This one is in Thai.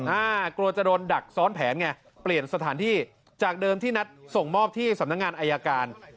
กลัวจะโดนดักซ้อนแผนไงเปลี่ยนสถานที่จากเดิมที่นัดส่งมอบที่สำนักงานอายการ